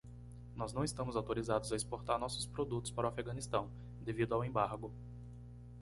Nós não estamos autorizados a exportar nossos produtos para o Afeganistão? devido ao embargo.